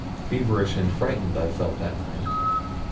Feverish and frightened I felt that night.